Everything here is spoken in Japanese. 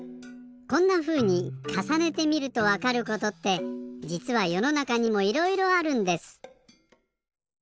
こんなふうにかさねてみるとわかることってじつはよのなかにもいろいろあるんです。